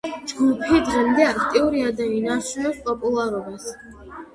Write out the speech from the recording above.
ჯგუფი დღემდე აქტიურია და ინარჩუნებს პოპულარობას.